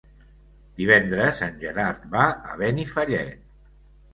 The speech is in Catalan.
Divendres en Gerard va a Benifallet.